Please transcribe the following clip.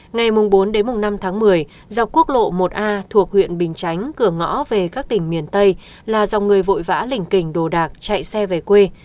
ngày bốn đến năm tháng một mươi dọc quốc lộ một a thuộc huyện bình chánh cửa ngõ về các tỉnh miền tây là dòng người vội vã lình kình đồ đạc chạy xe về quê